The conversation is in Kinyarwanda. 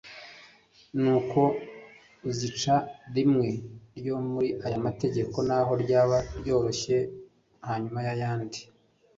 Nuko uzica rimwe ryo muri ayo mategeko naho ryaba ryoroshye hanyuma yayandi